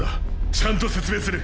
ちゃんと説明する。